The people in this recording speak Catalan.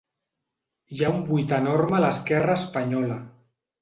Hi ha un buit enorme a l’esquerra espanyola.